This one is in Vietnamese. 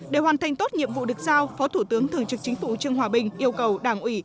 để hoàn thành tốt nhiệm vụ được giao phó thủ tướng thường trực chính phủ trương hòa bình yêu cầu đảng ủy